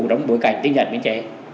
trong bối cảnh tiến nhận biên chế